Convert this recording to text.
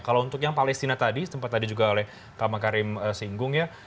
kalau untuk yang palestina tadi sempat tadi juga oleh pak makarim singgung ya